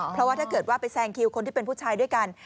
เพราะว่าถ้าเกิดว่าไปแซงคิวคนที่เป็นผู้ชายด้วยกัน